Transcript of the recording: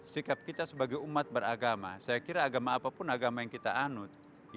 sikap kita sebagai umat beragama saya kira agama apapun agama yang kita anut